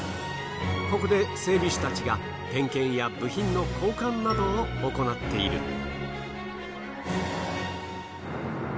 ここで整備士たちが点検や部品の交換などを行っている。